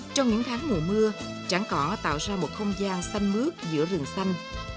trong những tháng mùa mưa trảng cỏ tạo ra một không gian xanh mướt giữa rừng xanh